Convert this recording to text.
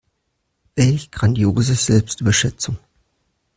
Welch grandiose Selbstüberschätzung.